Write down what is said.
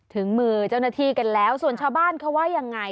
ถึงมือเจ้าหน้าที่กันแล้วส่วนชาวบ้านเขาว่ายังไง